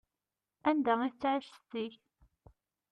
Anda i tettƐic setti-k?